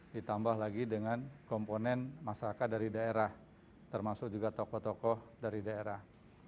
ditambah lagi dengan komponen masyarakat dari daerah termasuk juga tokoh tokoh dari daerah